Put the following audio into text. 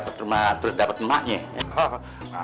kan rumah di peanut